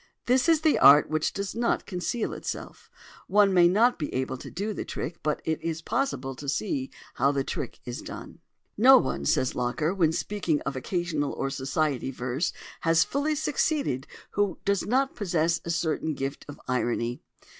This is the art which does not conceal itself. One may not be able to do the trick; but it is possible to see how the trick is done. "No one," says Locker, when speaking of occasional or society verse, "has fully succeeded who did not possess a certain gift of irony."